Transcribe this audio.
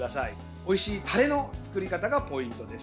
おいしいタレの作り方がポイントです。